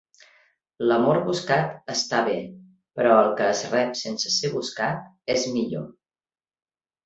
L'amor buscat està bé, però el que es rep sense ser buscat és millor.